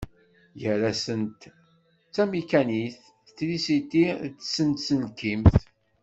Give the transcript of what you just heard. Gar-asent tamikanikt, trisiti d tsenselkimt.